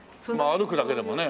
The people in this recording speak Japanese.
歩くだけでもね。